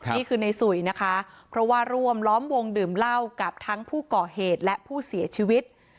นี่คือในสุยนะคะเพราะว่าร่วมล้อมวงดื่มเหล้ากับทั้งผู้ก่อเหตุและผู้เสียชีวิต